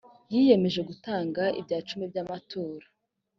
yiyemeje gutanga icyacumi cy’amaturo